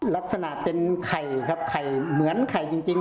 ลักษณะเป็นไข่ครับไข่เหมือนไข่จริง